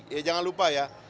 ya jangan lupa ya